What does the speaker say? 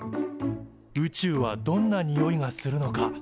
「宇宙はどんなにおいがするのか？」。